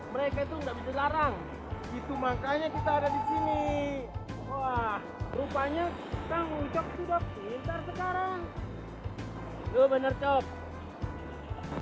mereka itu enggak bisa larang itu makanya kita ada di sini wah rupanya tanggung jawab tidak